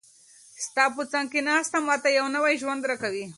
ستا په څنګ کې ناسته، ما ته یو نوی ژوند راکوي.